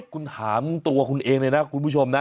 คุณถามตัวคุณเองเลยนะคุณผู้ชมนะ